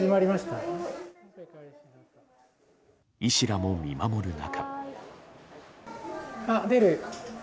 医師らも見守る中。